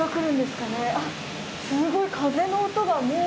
すごい風の音がもう！